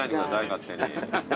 勝手に。